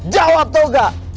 jawab tau gak